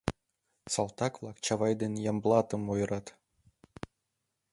Салтак-влак Чавай ден Ямблатым ойырат.